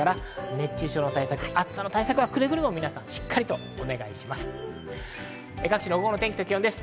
熱中症の対策はくれぐれも皆さんしっかりとお願いします。